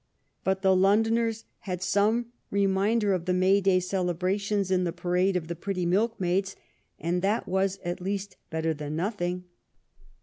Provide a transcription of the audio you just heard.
But the Londoners had some reminder of the May day celebration in the parade of the pretty milkmaids, and that was, at least, better than nothing.